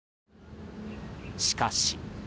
しかし。